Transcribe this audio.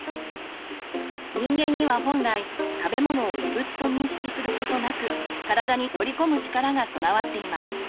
人間には本来食べ物を異物と認識することなく体に取り込む力が備わっています。